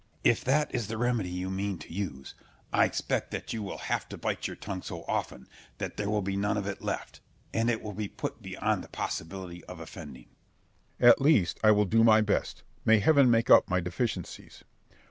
Scip. If that is the remedy you mean to use, I expect that you will have to bite your tongue so often, that there will be none of it left, and it will be put beyond the possibility of offending. Berg. At least I will do my best; may heaven make up my deficiencies.